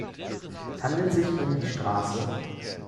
Es handelte sich um die „St.